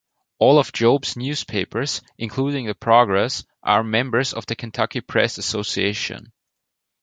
All of Jobe's newspapers, including the Progress, are members of the Kentucky Press Association.